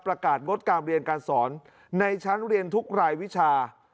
ประกาศงดการเรียนการสอนในชั้นเรียนทุกรายวิชา